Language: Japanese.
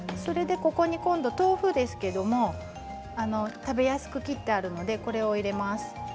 豆腐ですけれども食べやすく切ってあるのでこれを入れます。